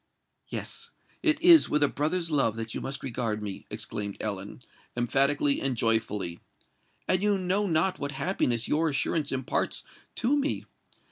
"Yes—it is with a brother's love that you must regard me," exclaimed Ellen, emphatically and joyfully; "and you know not what happiness your assurance imparts to me!